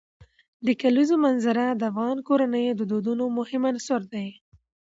د کلیزو منظره د افغان کورنیو د دودونو مهم عنصر دی.